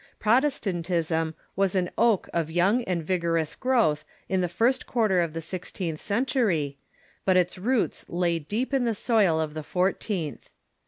Protestantism Avas an oak of young and vigorous growth in the first quarter of the sixteenth century, but its roots lay deep in the soil of the fourteenth.